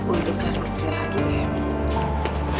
untuk anak istri lagi deh